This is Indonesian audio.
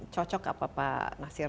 cocok apa pak nasir